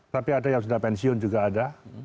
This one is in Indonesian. tapi ada yang sudah pensiun juga ada